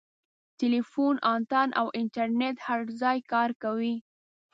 ټیلیفون انتن او انټرنیټ هر ځای کار کوي.